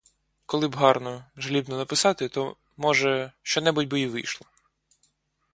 Коли б гарно, жалібно написати, то, може, що-небудь би й вийшло.